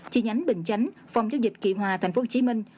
chi nhánh bình chánh phòng chống dịch kỵ hòa thành phố hồ chí minh